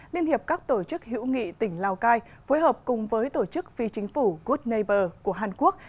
liên hiệp các tổ chức hữu nghị tỉnh lào cai phối hợp cùng với tổ chức phi chính phủ good negber của hàn quốc